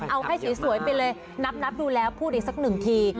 เอาให้สวยไปเลยนับดูแล้วพูดอีกสักหนึ่งที